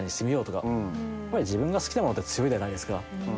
やっぱり自分が好きなものって強いじゃないですか。